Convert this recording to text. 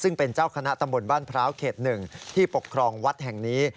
ซึ่งเป็นเจ้าคณะตำบลบ้านพร้าวเขต๑ที่ปกครองวัดแห่งนี้